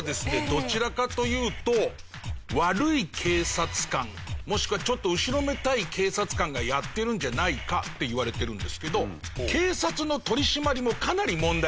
どちらかというと悪い警察官もしくはちょっと後ろめたい警察官がやってるんじゃないかっていわれてるんですけど警察の取り締まりもかなり問題になるじゃないですか。